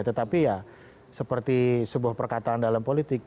tetapi ya seperti sebuah perkataan dalam politik